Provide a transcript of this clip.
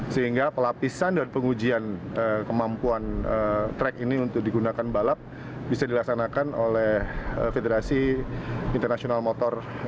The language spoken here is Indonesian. sehingga pelapisan dan pengujian kemampuan track ini untuk digunakan balap bisa dilaksanakan oleh federasi internasional motor